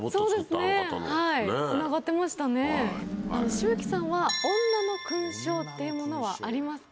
紫吹さんは女の勲章っていうものはありますか？